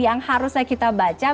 apakah ini adalah esan